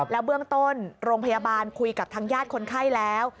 แล้วเบื้องต้นโรงพยาบาลคุยกับทางญาติคนไข้แล้ว